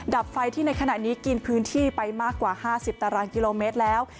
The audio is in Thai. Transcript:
ดับไฟที่ในขณะนี้กินพื้นที่ไปมากกว่า๕๐ตารางกิโลเมตรแล้ว